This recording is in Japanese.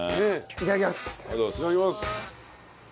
いただきます。